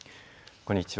こんにちは。